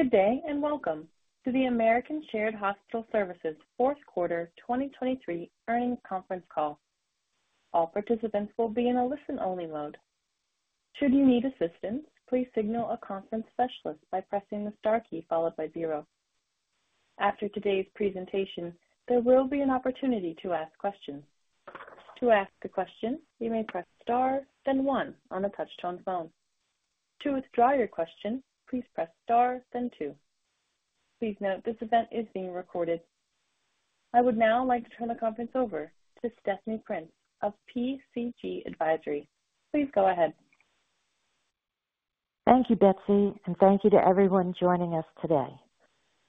Good day, and welcome to the American Shared Hospital Services fourth quarter 2023 earnings conference call. All participants will be in a listen-only mode. Should you need assistance, please signal a conference specialist by pressing the star key followed by zero. After today's presentation, there will be an opportunity to ask questions. To ask a question, you may press star, then one on a touch-tone phone. To withdraw your question, please press star, then two. Please note, this event is being recorded. I would now like to turn the conference over to Stephanie Prince of PCG Advisory. Please go ahead. Thank you, Betsy, and thank you to everyone joining us today.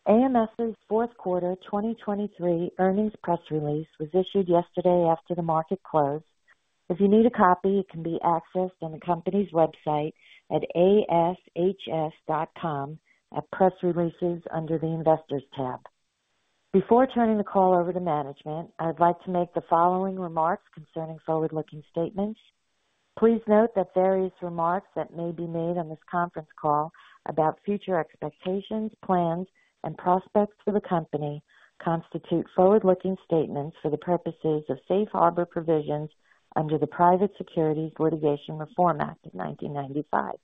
AMS's fourth quarter 2023 earnings press release was issued yesterday after the market closed. If you need a copy, it can be accessed on the company's website at ashs.com at Press Releases under the Investors tab. Before turning the call over to management, I'd like to make the following remarks concerning forward-looking statements. Please note that various remarks that may be made on this conference call about future expectations, plans, and prospects for the company constitute forward-looking statements for the purposes of safe harbor provisions under the Private Securities Litigation Reform Act of 1995.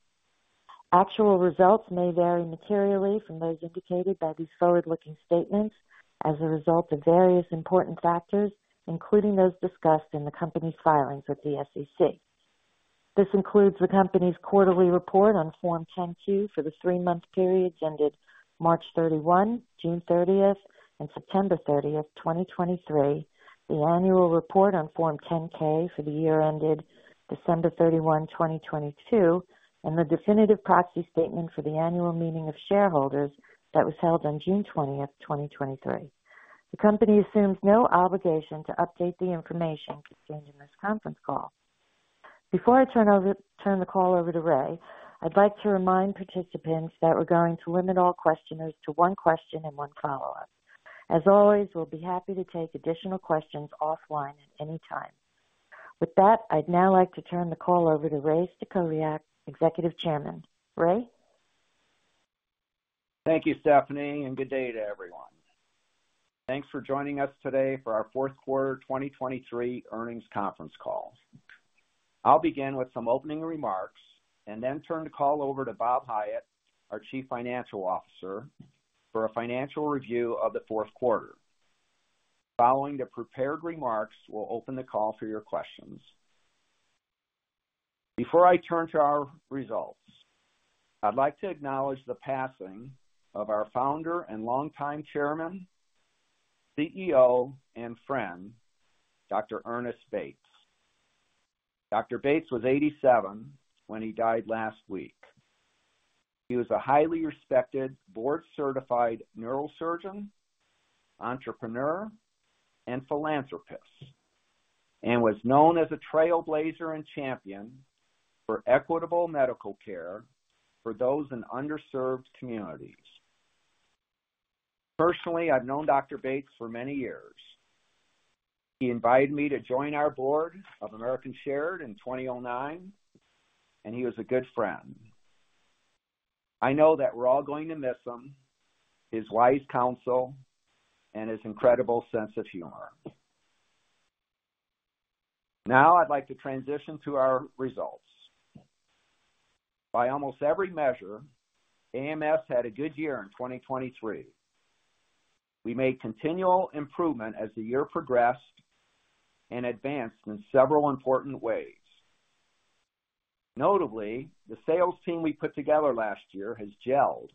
Actual results may vary materially from those indicated by these forward-looking statements as a result of various important factors, including those discussed in the company's filings with the SEC. This includes the company's quarterly report on Form 10-Q for the three-month periods ended March 31, June 30, and September 30, 2023, the annual report on Form 10-K for the year ended December 31, 2022, and the definitive proxy statement for the Annual Meeting of Shareholders that was held on June 20, 2023. The company assumes no obligation to update the information contained in this conference call. Before I turn the call over to Ray, I'd like to remind participants that we're going to limit all questioners to one question and one follow-up. As always, we'll be happy to take additional questions offline at any time. With that, I'd now like to turn the call over to Ray Stachowiak, Executive Chairman. Ray? Thank you, Stephanie, and good day to everyone. Thanks for joining us today for our fourth quarter 2023 earnings conference call. I'll begin with some opening remarks and then turn the call over to Bob Hiatt, our Chief Financial Officer, for a financial review of the fourth quarter. Following the prepared remarks, we'll open the call for your questions. Before I turn to our results, I'd like to acknowledge the passing of our founder and longtime chairman, CEO, and friend, Dr. Ernest Bates. Dr. Bates was 87 when he died last week. He was a highly respected board-certified neurosurgeon, entrepreneur, and philanthropist, and was known as a trailblazer and champion for equitable medical care for those in underserved communities. Personally, I've known Dr. Bates for many years. He invited me to join our board of American Shared in 2009, and he was a good friend. I know that we're all going to miss him, his wise counsel, and his incredible sense of humor. Now I'd like to transition to our results. By almost every measure, AMS had a good year in 2023. We made continual improvement as the year progressed and advanced in several important ways. Notably, the sales team we put together last year has gelled,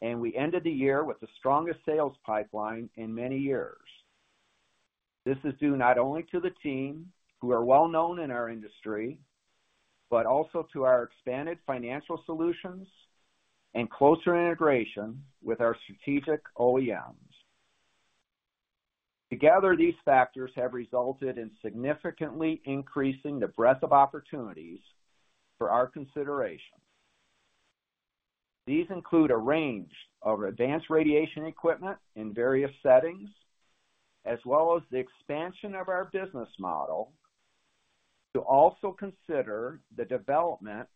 and we ended the year with the strongest sales pipeline in many years. This is due not only to the team, who are well-known in our industry, but also to our expanded financial solutions and closer integration with our strategic OEMs. Together, these factors have resulted in significantly increasing the breadth of opportunities for our consideration. These include a range of advanced radiation equipment in various settings, as well as the expansion of our business model to also consider the development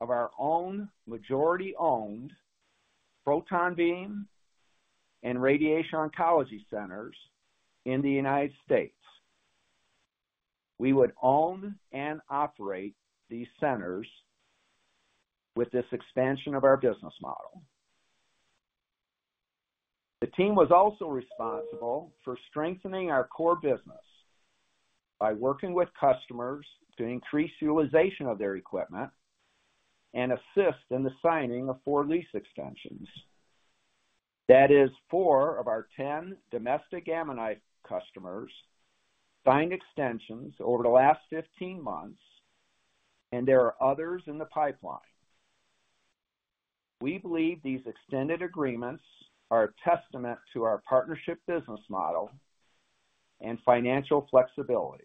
of our own majority-owned proton beam and radiation oncology centers in the United States. We would own and operate these centers with this expansion of our business model. The team was also responsible for strengthening our core business by working with customers to increase utilization of their equipment and assist in the signing of 4 lease extensions. That is 4 of our 10 domestic Gamma Knife customers signed extensions over the last 15 months, and there are others in the pipeline. We believe these extended agreements are a testament to our partnership, business model, and financial flexibility.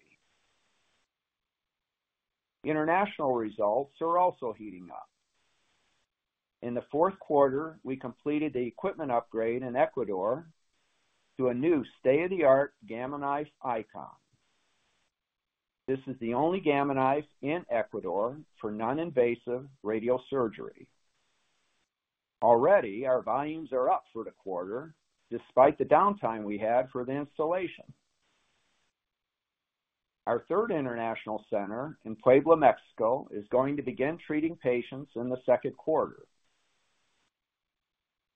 International results are also heating up. In the fourth quarter, we completed the equipment upgrade in Ecuador to a new state-of-the-art Gamma Knife Icon. This is the only Gamma Knife in Ecuador for non-invasive radiosurgery. Already, our volumes are up for the quarter, despite the downtime we had for the installation. Our third international center in Puebla, Mexico, is going to begin treating patients in the second quarter.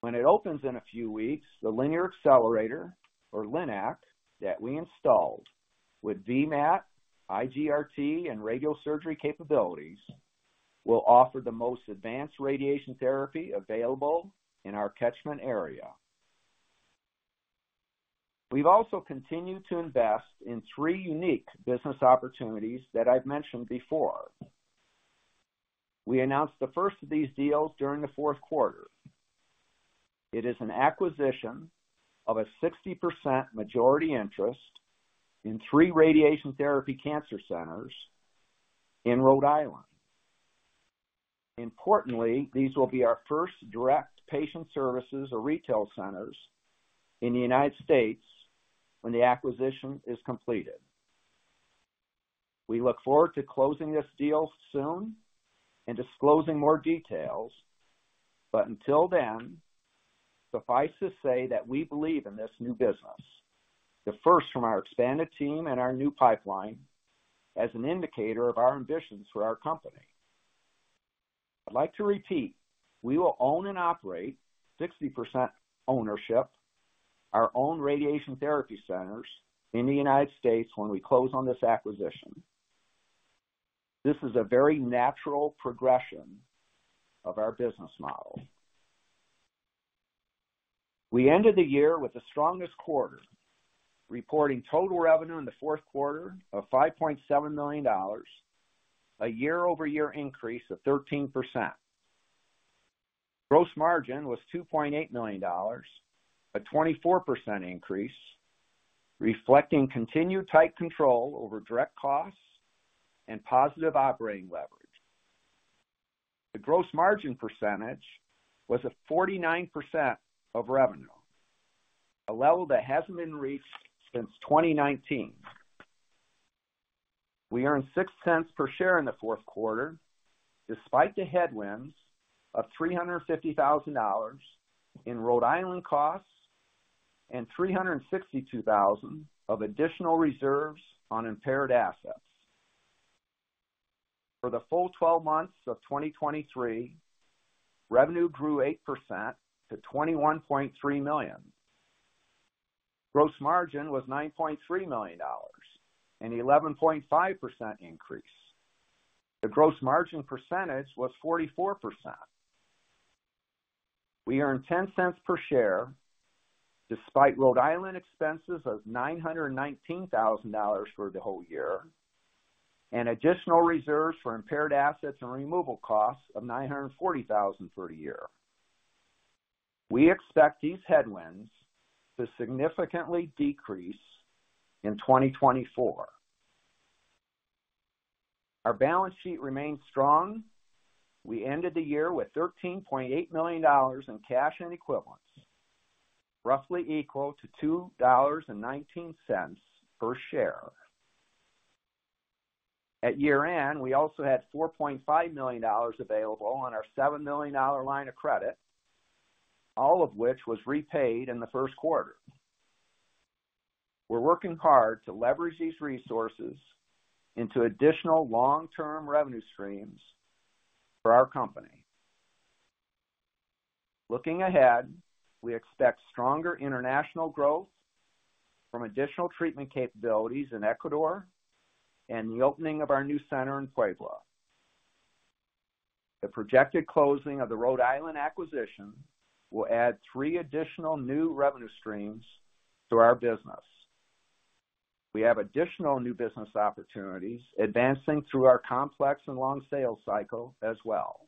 When it opens in a few weeks, the linear accelerator or LINAC, that we installed with VMAT, IGRT, and radiosurgery capabilities, will offer the most advanced radiation therapy available in our catchment area. We've also continued to invest in three unique business opportunities that I've mentioned before. We announced the first of these deals during the fourth quarter. It is an acquisition of a 60% majority interest in three radiation therapy cancer centers in Rhode Island. Importantly, these will be our first direct patient services or retail centers in the United States when the acquisition is completed. We look forward to closing this deal soon and disclosing more details, but until then, suffice to say that we believe in this new business, the first from our expanded team and our new pipeline, as an indicator of our ambitions for our company. I'd like to repeat, we will own and operate 60% ownership, our own radiation therapy centers in the United States when we close on this acquisition. This is a very natural progression of our business model. We ended the year with the strongest quarter, reporting total revenue in the fourth quarter of $5.7 million, a year-over-year increase of 13%. Gross margin was $2.8 million, a 24% increase, reflecting continued tight control over direct costs and positive operating leverage. The gross margin percentage was at 49% of revenue, a level that hasn't been reached since 2019. We earned $0.06 per share in the fourth quarter, despite the headwinds of $350,000 in Rhode Island costs and $362,000 of additional reserves on impaired assets. For the full twelve months of 2023, revenue grew 8% to $21.3 million. Gross margin was $9.3 million, an 11.5% increase. The gross margin percentage was 44%. We earned $0.10 per share, despite Rhode Island expenses of $919,000 for the whole year, and additional reserves for impaired assets and removal costs of $940,000 for the year. We expect these headwinds to significantly decrease in 2024. Our balance sheet remains strong. We ended the year with $13.8 million in cash and equivalents, roughly equal to $2.19 per share. At year-end, we also had $4.5 million available on our $7 million line of credit, all of which was repaid in the first quarter. We're working hard to leverage these resources into additional long-term revenue streams for our company. Looking ahead, we expect stronger international growth from additional treatment capabilities in Ecuador and the opening of our new center in Puebla. The projected closing of the Rhode Island acquisition will add three additional new revenue streams to our business. We have additional new business opportunities advancing through our complex and long sales cycle as well.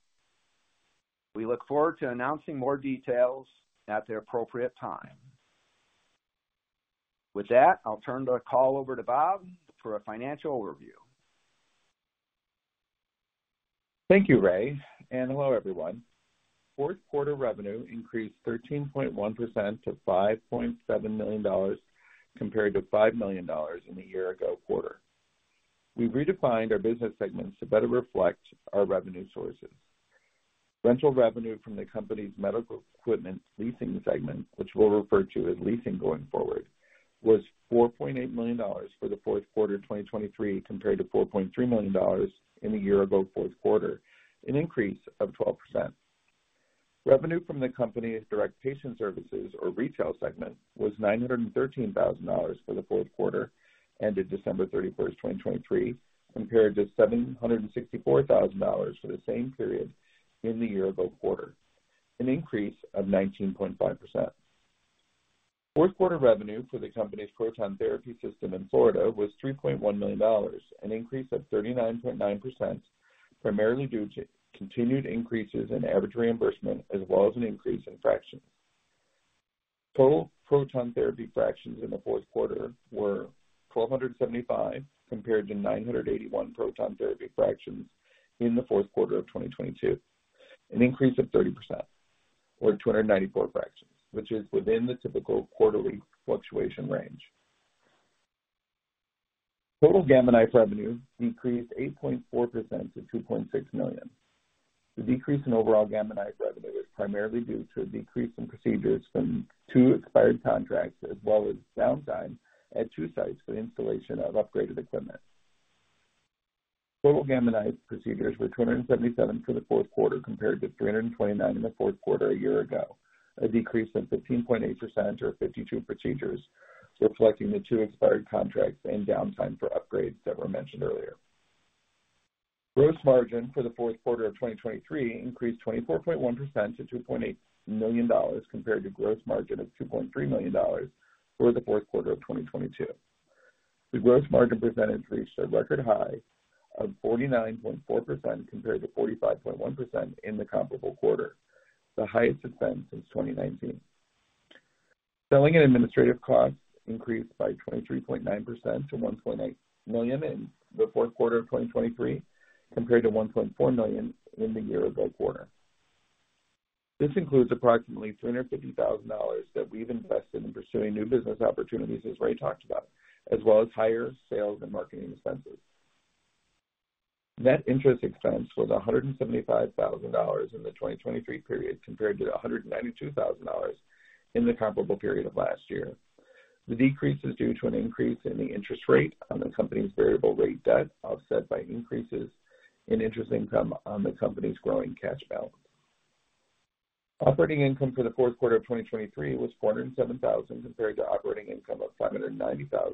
We look forward to announcing more details at the appropriate time. With that, I'll turn the call over to Bob for a financial overview. Thank you, Ray, and hello, everyone. Fourth quarter revenue increased 13.1% to $5.7 million, compared to $5 million in the year-ago quarter. We've redefined our business segments to better reflect our revenue sources. Rental revenue from the company's medical equipment leasing segment, which we'll refer to as leasing going forward, was $4.8 million for the fourth quarter of 2023, compared to $4.3 million in the year-ago fourth quarter, an increase of 12%. Revenue from the company's direct patient services or retail segment was $913,000 for the fourth quarter ended December 31, 2023, compared to $764,000 for the same period in the year-ago quarter, an increase of 19.5%. Fourth quarter revenue for the company's proton therapy system in Florida was $3.1 million, an increase of 39.9%, primarily due to continued increases in average reimbursement as well as an increase in fractions. Total proton therapy fractions in the fourth quarter were 1,275, compared to 981 proton therapy fractions in the fourth quarter of 2022, an increase of 30% or 294 fractions, which is within the typical quarterly fluctuation range. Total Gamma Knife revenue decreased 8.4% to $2.6 million. The decrease in overall Gamma Knife revenue was primarily due to a decrease in procedures from two expired contracts, as well as downtime at two sites for the installation of upgraded equipment. Total Gamma Knife procedures were 277 for the fourth quarter, compared to 329 in the fourth quarter a year ago, a decrease of 15.8% or 52 procedures, reflecting the two expired contracts and downtime for upgrades that were mentioned earlier. Gross margin for the fourth quarter of 2023 increased 24.1% to $2.8 million, compared to gross margin of $2.3 million for the fourth quarter of 2022. The gross margin percentage reached a record high of 49.4%, compared to 45.1% in the comparable quarter, the highest it's been since 2019. Selling and administrative costs increased by 23.9% to $1.8 million in the fourth quarter of 2023, compared to $1.4 million in the year-ago quarter. This includes approximately $250,000 that we've invested in pursuing new business opportunities, as Ray talked about, as well as higher sales and marketing expenses. Net interest expense was $175,000 in the 2023 period, compared to $192,000 in the comparable period of last year. The decrease is due to an increase in the interest rate on the company's variable rate debt, offset by increases in interest income on the company's growing cash balance. Operating income for the fourth quarter of 2023 was $407,000, compared to operating income of $590,000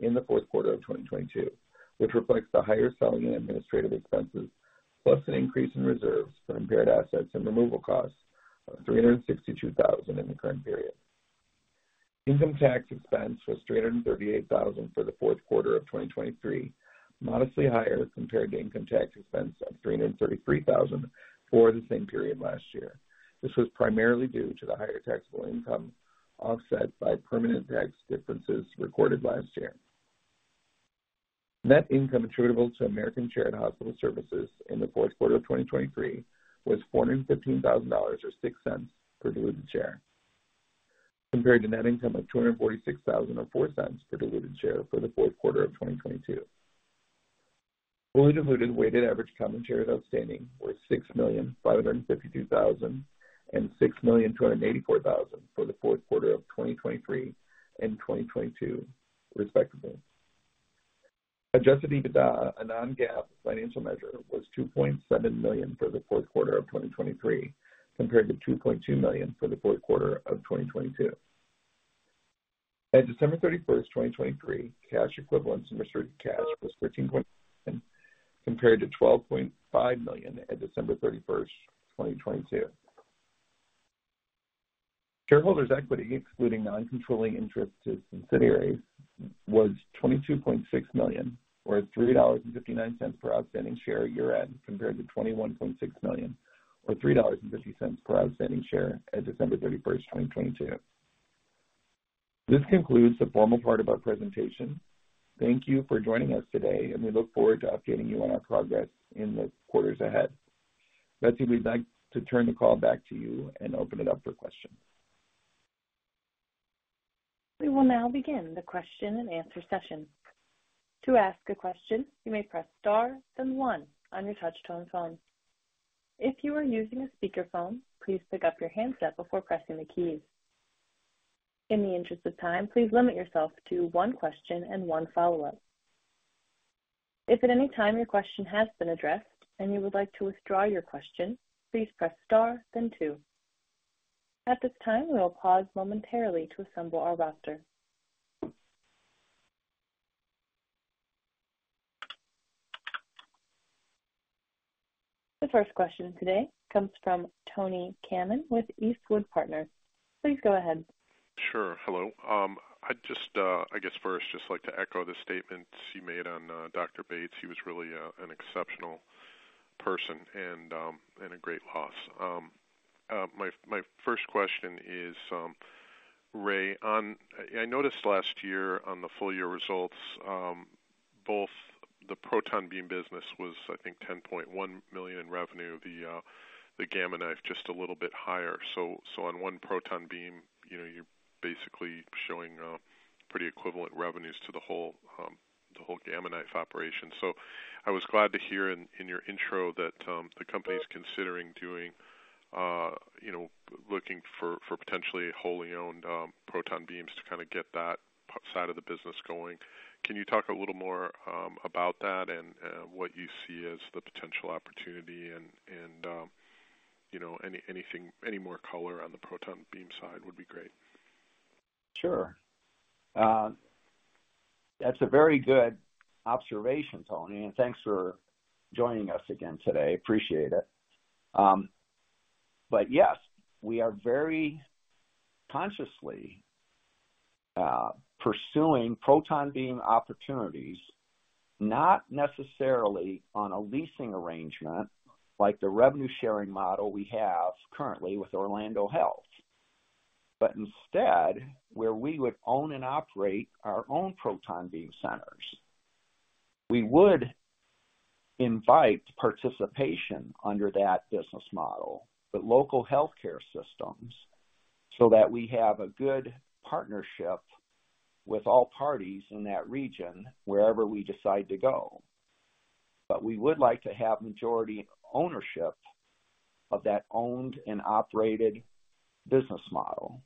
in the fourth quarter of 2022, which reflects the higher selling and administrative expenses, plus an increase in reserves for impaired assets and removal costs of $362,000 in the current period. Income tax expense was $338,000 for the fourth quarter of 2023, modestly higher compared to income tax expense of $333,000 for the same period last year. This was primarily due to the higher taxable income, offset by permanent tax differences recorded last year. Net income attributable to American Shared Hospital Services in the fourth quarter of 2023 was $415,000, or $0.06 per diluted share, compared to net income of $246,000 or $0.04 per diluted share for the fourth quarter of 2022. Fully diluted weighted average common shares outstanding was 6,552,000 and 6,284,000 for the fourth quarter of 2023 and 2022, respectively. Adjusted EBITDA, a non-GAAP financial measure, was $2.7 million for the fourth quarter of 2023, compared to $2.2 million for the fourth quarter of 2022. At December 31, 2023, cash equivalents and restricted cash was 13 point compared to $12.5 million at December 31, 2022. Shareholders' equity, excluding non-controlling interest to subsidiaries, was $22.6 million, or $3.59 per outstanding share year-end, compared to $21.6 million or $3.50 per outstanding share at December 31, 2022. This concludes the formal part of our presentation. Thank you for joining us today, and we look forward to updating you on our progress in the quarters ahead. Betsy, we'd like to turn the call back to you and open it up for questions. We will now begin the question-and-answer session. To ask a question, you may press star, then one on your touchtone phone. If you are using a speakerphone, please pick up your handset before pressing the keys. In the interest of time, please limit yourself to one question and one follow-up. If at any time your question has been addressed and you would like to withdraw your question, please press star then two. At this time, we will pause momentarily to assemble our roster. The first question today comes from Tony Kamin with Eastwood Partners. Please go ahead. Sure. Hello. I'd just, I guess first, just like to echo the statements you made on, Dr. Bates. He was really, an exceptional person and, and a great loss. My, my first question is, Ray, on... I, I noticed last year on the full year results, both the proton beam business was, I think, $10.1 million in revenue, the, the Gamma Knife just a little bit higher. So, so on one proton beam, you know, you're basically showing, pretty equivalent revenues to the whole, the whole Gamma Knife operation. So I was glad to hear in, in your intro that, the company is considering doing, you know, looking for, for potentially wholly owned, proton beams to kinda get that side of the business going. Can you talk a little more about that and what you see as the potential opportunity and you know, anything, any more color on the proton beam side would be great? Sure. That's a very good observation, Tony, and thanks for joining us again today. Appreciate it. But yes, we are very consciously pursuing proton beam opportunities, not necessarily on a leasing arrangement like the revenue-sharing model we have currently with Orlando Health, but instead, where we would own and operate our own proton beam centers.... We would invite participation under that business model, but local healthcare systems, so that we have a good partnership with all parties in that region, wherever we decide to go. But we would like to have majority ownership of that owned and operated business model.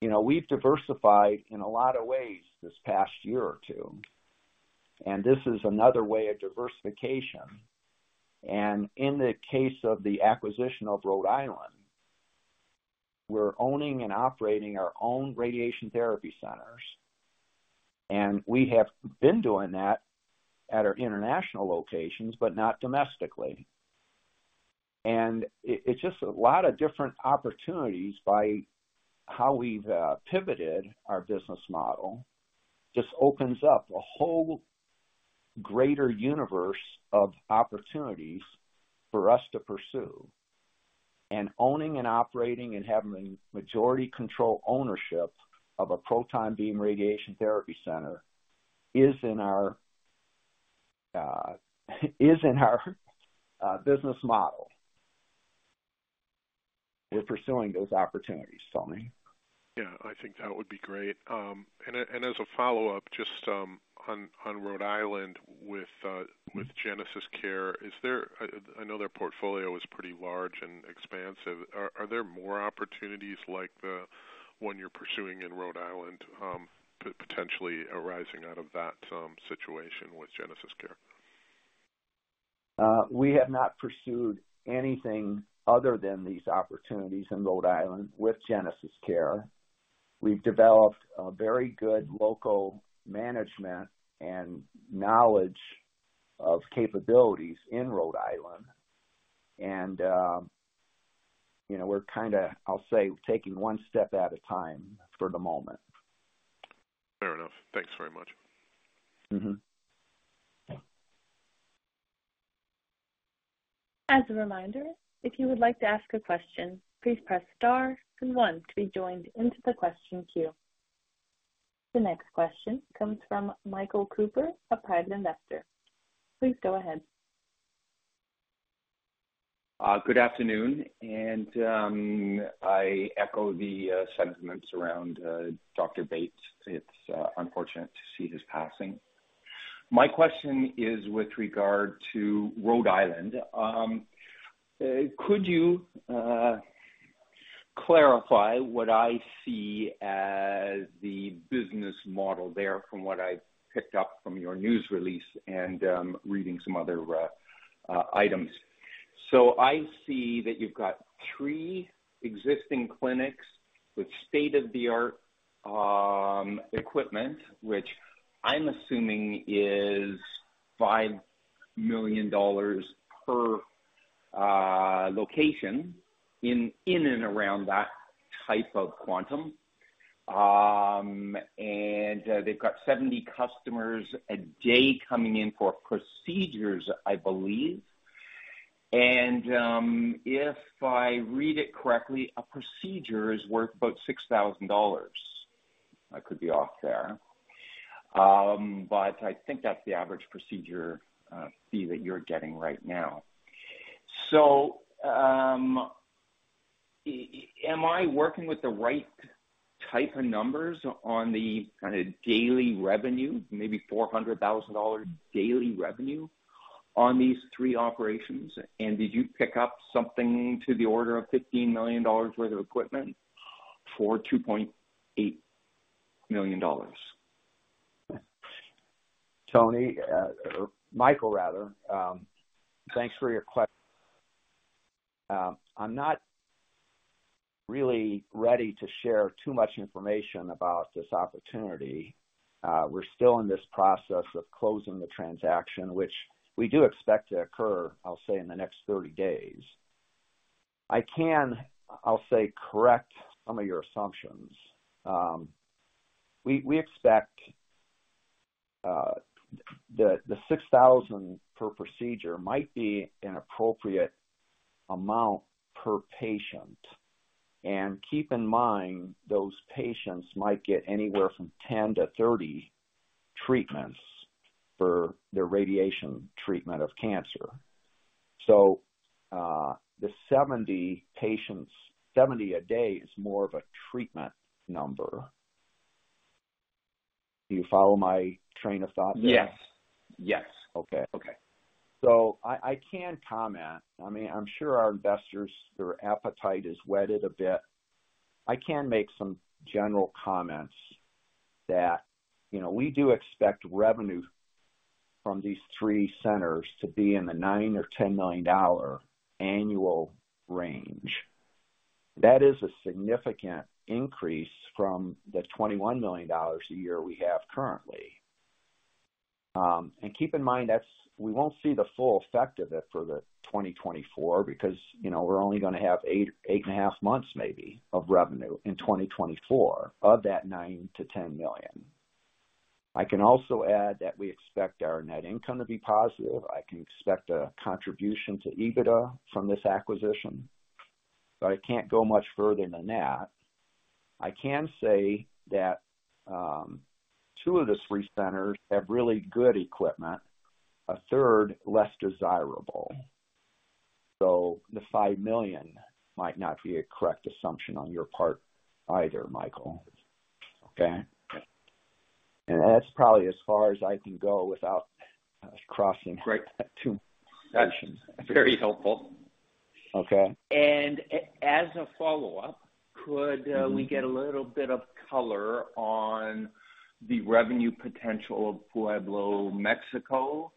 You know, we've diversified in a lot of ways this past year or two, and this is another way of diversification. And in the case of the acquisition of Rhode Island, we're owning and operating our own radiation therapy centers, and we have been doing that at our international locations, but not domestically. And it, it's just a lot of different opportunities by how we've pivoted our business model, just opens up a whole greater universe of opportunities for us to pursue. And owning and operating and having majority control ownership of a proton beam radiation therapy center is in our business model. We're pursuing those opportunities, Tony. Yeah, I think that would be great. And as a follow-up, just on Rhode Island with GenesisCare, is there... I know their portfolio is pretty large and expansive. Are there more opportunities like the one you're pursuing in Rhode Island, potentially arising out of that situation with GenesisCare? We have not pursued anything other than these opportunities in Rhode Island with GenesisCare. We've developed a very good local management and knowledge of capabilities in Rhode Island, and, you know, we're kinda, I'll say, taking one step at a time for the moment. Fair enough. Thanks very much. Mm-hmm. As a reminder, if you would like to ask a question, please press star one to be joined into the question queue. The next question comes from Michael Cooper, a private investor. Please go ahead. Good afternoon, and I echo the sentiments around Dr. Bates. It's unfortunate to see his passing. My question is with regard to Rhode Island. Could you clarify what I see as the business model there from what I've picked up from your news release and reading some other items? So I see that you've got three existing clinics with state-of-the-art equipment, which I'm assuming is $5 million per location in and around that type of quantum. And they've got 70 customers a day coming in for procedures, I believe. And if I read it correctly, a procedure is worth about $6,000. I could be off there. But I think that's the average procedure fee that you're getting right now. Am I working with the right type of numbers on the kinda daily revenue, maybe $400,000 daily revenue on these three operations? Did you pick up something to the order of $15 million worth of equipment for $2.8 million? Tony, or Michael rather, thanks for your question. I'm not really ready to share too much information about this opportunity. We're still in this process of closing the transaction, which we do expect to occur, I'll say, in the next 30 days. I can, I'll say, correct some of your assumptions. We expect the $6,000 per procedure might be an appropriate amount per patient. And keep in mind, those patients might get anywhere from 10-30 treatments for their radiation treatment of cancer. So, the 70 patients, 70 a day is more of a treatment number. Do you follow my train of thought there? Yes. Yes. Okay. Okay. So I, I can comment. I mean, I'm sure our investors, their appetite is whetted a bit. I can make some general comments that, you know, we do expect revenue from these three centers to be in the $9 million-$10 million annual range. That is a significant increase from the $21 million a year we have currently. Keep in mind, that's, we won't see the full effect of it for 2024 because, you know, we're only gonna have 8, 8.5 months, maybe, of revenue in 2024 of that $9 million-$10 million. I can also add that we expect our net income to be positive. I can expect a contribution to EBITDA from this acquisition, but I can't go much further than that. I can say that, two of the three centers have really good equipment, a third, less desirable. So the $5 million might not be a correct assumption on your part either, Michael. Okay? And that's probably as far as I can go without crossing- Great. - too much. That's very helpful. Okay. And as a follow-up, Mm-hmm. We get a little bit of color on the revenue potential of Puebla, Mexico,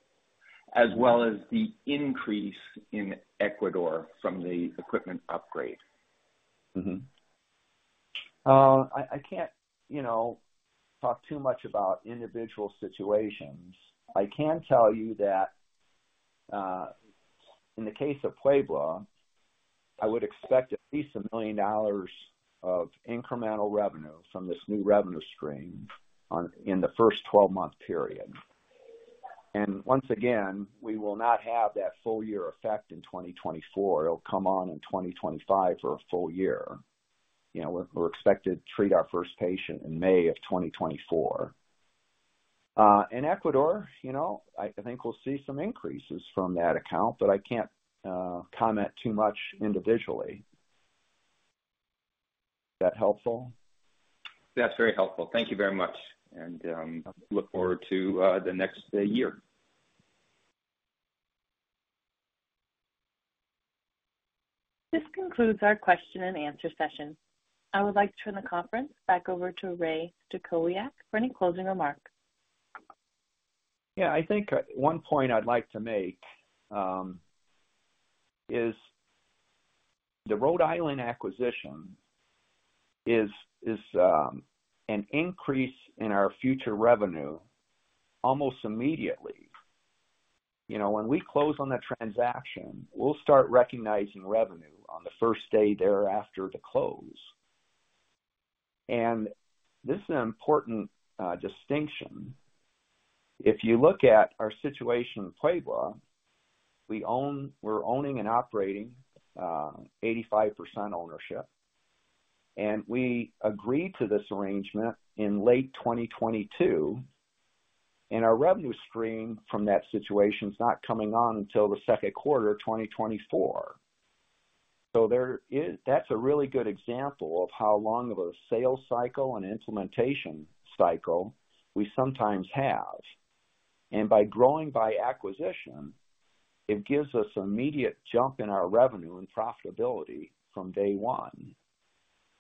as well as the increase in Ecuador from the equipment upgrade? Mm-hmm. I can't, you know, talk too much about individual situations. I can tell you that, in the case of Puebla, I would expect at least $1 million of incremental revenue from this new revenue stream in the first 12-month period. And once again, we will not have that full year effect in 2024. It'll come on in 2025 for a full year. You know, we're expected to treat our first patient in May of 2024. In Ecuador, you know, I think we'll see some increases from that account, but I can't comment too much individually. Is that helpful? That's very helpful. Thank you very much, and I look forward to the next year. This concludes our question and answer session. I would like to turn the conference back over to Ray Stachowiak for any closing remarks. Yeah, I think one point I'd like to make is the Rhode Island acquisition is an increase in our future revenue almost immediately. You know, when we close on that transaction, we'll start recognizing revenue on the first day thereafter the close. And this is an important distinction. If you look at our situation in Puebla, we're owning and operating 85% ownership, and we agreed to this arrangement in late 2022, and our revenue stream from that situation is not coming on until the second quarter of 2024. So there is. That's a really good example of how long of a sales cycle and implementation cycle we sometimes have. And by growing by acquisition, it gives us immediate jump in our revenue and profitability from day one.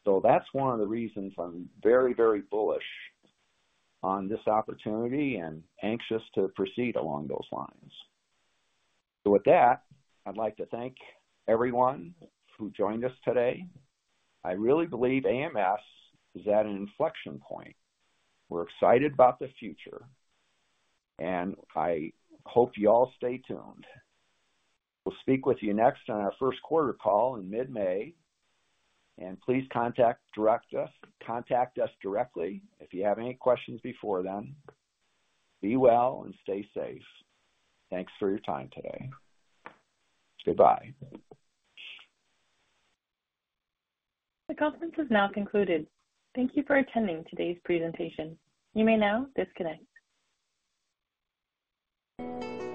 So that's one of the reasons I'm very, very bullish on this opportunity and anxious to proceed along those lines. So with that, I'd like to thank everyone who joined us today. I really believe AMS is at an inflection point. We're excited about the future, and I hope you all stay tuned. We'll speak with you next on our first quarter call in mid-May, and please contact us directly if you have any questions before then. Be well and stay safe. Thanks for your time today. Goodbye. The conference is now concluded. Thank you for attending today's presentation. You may now disconnect.